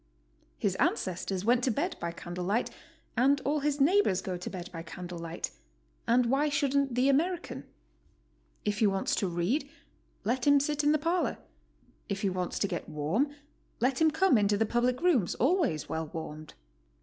His ancestors went to bed by candle light and all his neighbors go to bed by candle light, and why shouldn't the Americpu? If he wants to read, let him sit m the parlor; if he wants to get warm, let hi n 126 GOING ABROAD? come into the public rooms, always well warmed.